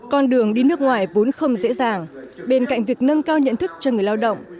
con đường đi nước ngoài vốn không dễ dàng bên cạnh việc nâng cao nhận thức cho người lao động